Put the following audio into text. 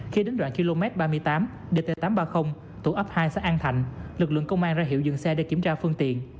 khi đến đoạn km ba mươi tám dt tám trăm ba mươi thuộc ấp hai xã an thạnh lực lượng công an ra hiệu dừng xe để kiểm tra phương tiện